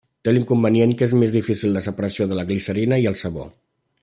Té l'inconvenient que és més difícil la separació de la glicerina i el sabó.